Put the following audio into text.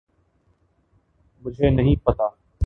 مجھے نہیں پتہ۔